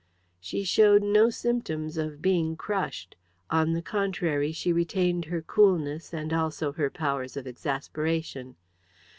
She showed no symptoms of being crushed. On the contrary, she retained her coolness, and also her powers of exasperation.